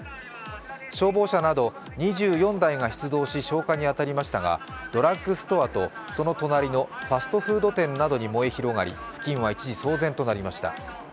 消防車など、２４台が出動し消火に当たりましたがドラッグストアと、その隣のファストフード店などに燃え広がり、付近は一時騒然となりました。